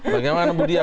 bagaimana undang bu dia